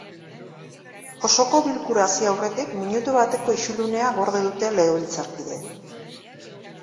Osoko bilkura hasi aurretik, minutu bateko isilunea gorde dute legebiltzarkideek.